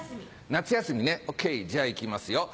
夏休みねＯＫじゃ行きますよ。